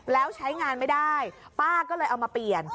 แล้วใช้งานไม่ได้ป้าก็เลยเอามาเปลี่ยน